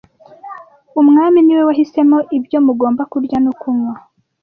umwami ni we wahisemo ibyo mugomba kurya no kunywa